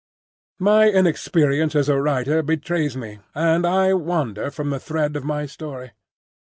My inexperience as a writer betrays me, and I wander from the thread of my story.